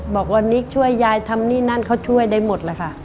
บอกว่านิกช่วยยายทำนี่นั่นเขาช่วยได้หมดแล้วค่ะ